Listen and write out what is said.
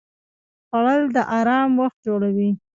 خوړل د آرام وخت جوړوي